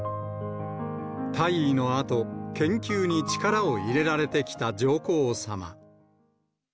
退位のあと、研究に力を入れられてきた上皇さま。